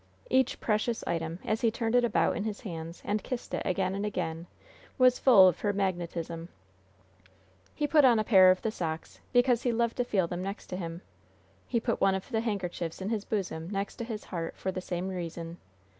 Each precious item, as he turned it about in his hands, and kissed it again and again, was full of her magnetism. He put on a pair of the socks, because he loved to feel them next him. He put one of the handkerchiefs in his bosom, next his heart, for the same reason.